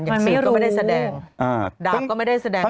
อย่างสิ่งก็ไม่ได้แสดงดาบก็ไม่ได้แสดงอาการ